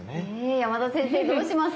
山田先生どうします？